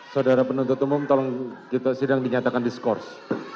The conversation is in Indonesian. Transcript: saudara penuntut umum tolong kita sedang dinyatakan diskors